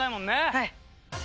はい。